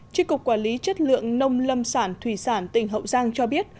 tri cục quản lý chất lượng nông lâm sản thủy sản tỉnh hậu giang cho biết